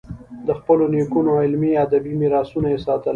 د خپلو نیکونو علمي، ادبي میراثونه یې ساتل.